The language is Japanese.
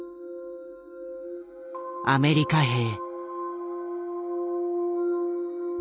アメリカ兵。